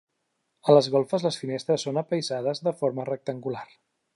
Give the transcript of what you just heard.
A les golfes les finestres són apaïsades de forma rectangular.